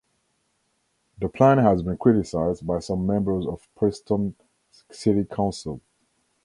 The plan has been criticised by some members of Preston City Council.